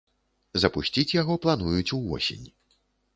Запусціць яго плануюць увосень.